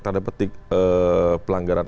tanda petik pelanggaran